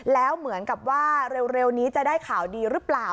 แล้วเหมือนกับว่าเร็วนี้จะได้ข่าวดีหรือเปล่า